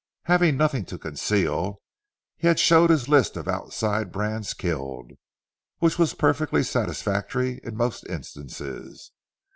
Having nothing to conceal, he had showed his list of outside brands killed, which was perfectly satisfactory in most instances.